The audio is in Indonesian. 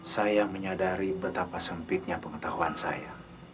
saya menyadari betapa sempitnya pengetahuan saya